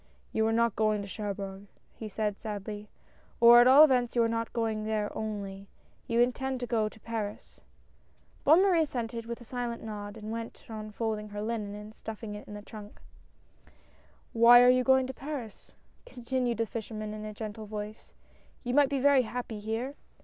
"You are not going to Cherbourg," he said sadly, " or, at all events, you are not going there only : you intend to go to Paris." Bonne Marie assented with a silent nod, and went on folding her linen and stuffing it into the trunk. " Why are you going to Paris ?" continued the flsh erman in a gentle voice ;" you might be very happy here.